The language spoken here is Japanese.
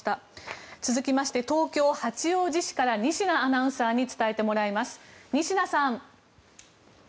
続きまして東京・八王子市から仁科アナウンサーに伝えてもらいます。